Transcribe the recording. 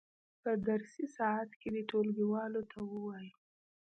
په درسي ساعت کې دې ټولګیوالو ته ووایي.